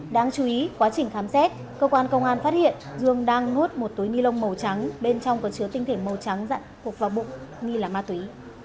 đáng chú ý quá trình khám xét cơ quan công an phát hiện dương đang nuốt một túi ni lông màu trắng bên trong có chứa tinh thể màu trắng dặn hụt vào bụng nghi là ma túy